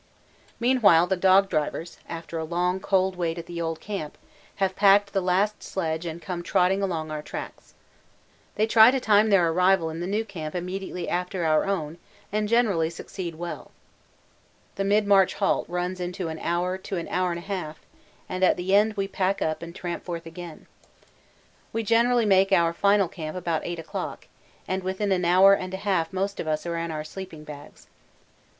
Meanwhile the dog drivers, after a long cold wait at the old camp, have packed the last sledge and come trotting along our tracks. They try to time their arrival in the new camp immediately after our own and generally succeed well. The mid march halt runs into an hour to an hour and a half, and at the end we pack up and tramp forth again. We generally make our final camp about 8 o'clock, and within an hour and a half most of us are in our sleeping bags.